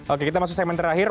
oke kita masuk segmen terakhir